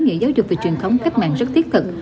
và giới thiệu được về truyền thống cách mạng rất thiết thực